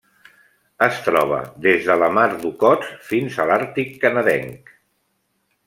Es troba des de la Mar d'Okhotsk fins a l'Àrtic canadenc.